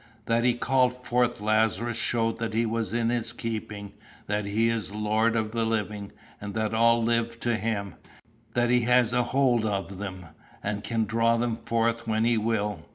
That he called forth Lazarus showed that he was in his keeping, that he is Lord of the living, and that all live to him, that he has a hold of them, and can draw them forth when he will.